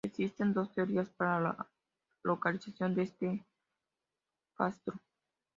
Existen dos teorías para la localización de este castro.